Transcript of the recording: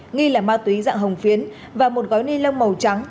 nghi là ma túy dạng hồng phiến và một gói ni lông màu trắng